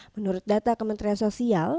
menurut data kementerian sosial